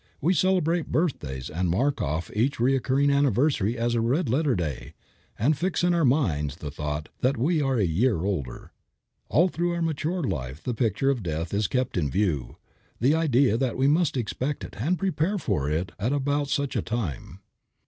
We celebrate birthdays and mark off each recurring anniversary as a red letter day and fix in our minds the thought that we are a year older. All through our mature life the picture of death is kept in view, the idea that we must expect it and prepare for it at about such a time.